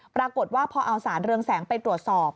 ปรากฏว่าพอเอาสารเรืองแสงไปตรวจสอบ